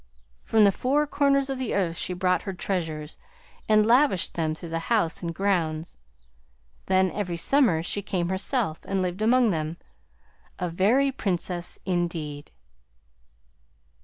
From the four corners of the earth she brought her treasures and lavished them through the house and grounds. Then, every summer, she came herself, and lived among them, a very Princess indeed."